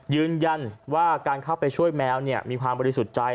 ยืนยันว่าการเข้าไปช่วยแมวมีความบริสุทธิ์ใจ